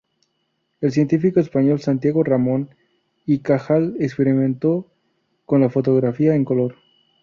El científico español Santiago Ramón y Cajal experimentó con la fotografía en color.